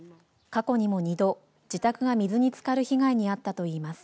過去にも２度、自宅が水につかる被害に遭ったといいます。